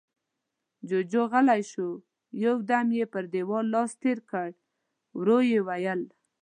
جُوجُو غلی شو، يو دم يې پر دېوال لاس تېر کړ، ورو يې وويل: